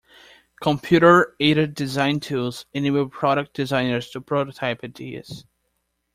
Computer-aided design tools enable product designers to prototype ideas.